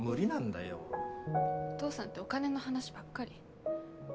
お父さんってお金の話ばっかり。